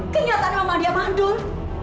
kenyataan emang dia mandul